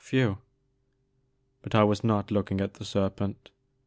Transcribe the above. whew I " But I was not looking at the serpent.